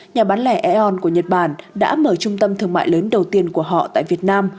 nhà bán lẻ aon của nhật bản đã mở trung tâm thương mại lớn đầu tiên của họ tại việt nam